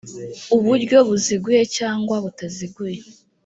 uburyo buziguye cyangwa butaziguye